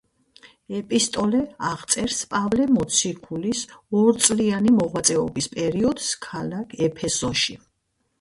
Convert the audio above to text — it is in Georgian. ეპისტოლე აღწერს პავლე მოციქულის ორწლიანი მოღვაწეობის პერიოდს ქალაქ ეფესოში.